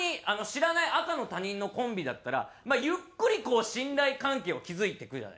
知らない赤の他人のコンビだったらまあゆっくりこう信頼関係を築いていくじゃないですか。